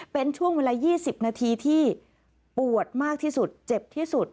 เป็นช่วงเวลา๒๐นาทีที่ปวดมากที่สุดเจ็บที่สุด